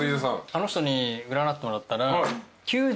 あの人に占ってもらったら。